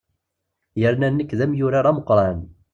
Yerna nekk d amyurar ameqqran.